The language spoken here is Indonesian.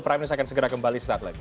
prime news akan segera kembali sesaat lagi